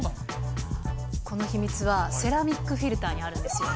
この秘密は、セラミックフィルターにあるんですよ。